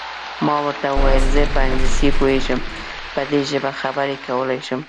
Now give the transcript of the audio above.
ما ورته وویل: زه په انګلیسي پوهېږم، په دې ژبه خبرې کولای شم.